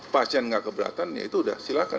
pasien nggak keberatan ya itu udah silakan